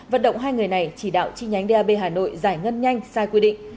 vận động hai người này chỉ đạo chi nhánh đ a b hà nội giải ngân nhanh sai quy định